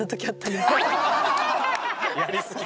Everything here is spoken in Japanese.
やりすぎて？